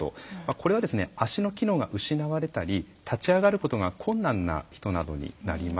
これは足の機能が失われたり立ち上がることが困難な人などになります。